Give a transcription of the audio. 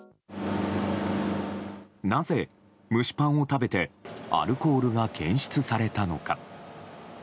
なぜ、蒸しパンを食べてアルコールが検出されたのか。